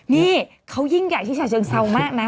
นี่เค้ายิ่งอยากที่ชาชัยเฉิงเศร้ามากนะ